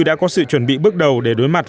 đã có sự chuẩn bị bước đầu để đối mặt